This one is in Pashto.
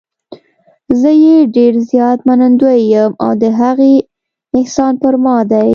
زه یې ډېر زیات منندوی یم او د هغې احسان پر ما دی.